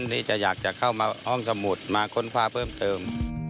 ที่จะอยากจะเข้ามาห้องสมุดมาค้นผ้าเพิ่มเติม